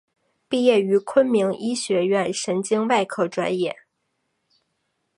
毕业于昆明医学院神经外科专业。